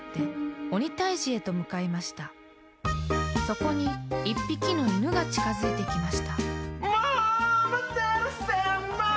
［そこに１匹の犬が近づいてきました］